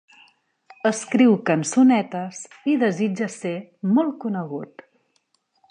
Escriu cançonetes i desitja ser molt conegut.